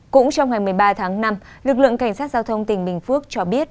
cũng trong ngày một mươi ba tháng năm lực lượng cảnh sát giao thông tỉnh bình phước cho biết